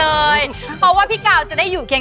อุ๊ยตายแล้ว